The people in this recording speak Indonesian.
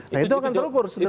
nah itu akan terukur